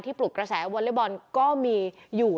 ปลุกกระแสวอเล็กบอลก็มีอยู่